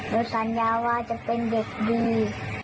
โดยสัญญาว่าจะเป็นเด็กดี